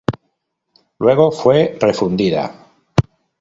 Luego fue refundida.